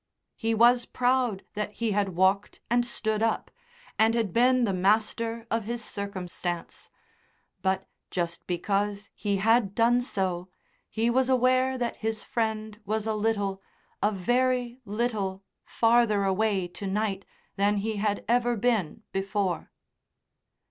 He was proud that he had walked and stood up, and had been the master of his circumstance; but just because he had done so he was aware that his friend was a little, a very little farther away to night than he had ever been before.